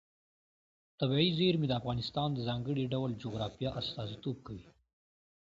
طبیعي زیرمې د افغانستان د ځانګړي ډول جغرافیه استازیتوب کوي.